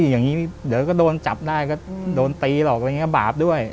อย่างนี้เดี๋ยวก็โดนจับได้ก็โดนตีหรอกอะไรอย่างนี้บาปด้วย